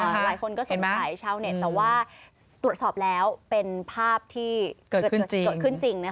หลายคนก็สงสัยชาวเน็ตแต่ว่าตรวจสอบแล้วเป็นภาพที่เกิดขึ้นจริง